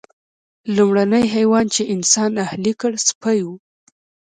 لومړنی حیوان چې انسان اهلي کړ سپی و.